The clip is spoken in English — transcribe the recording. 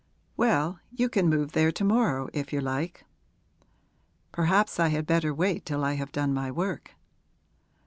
'Well, you can move there to morrow if you like.' 'Perhaps I had better wait till I have done my work.'